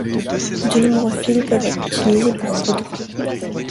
De nombreux fils peuvent être utilisés pour coudre.